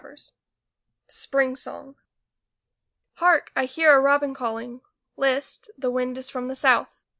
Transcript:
49 SPRING SONG Hark, I hear a robin calling! List, the wind is from the south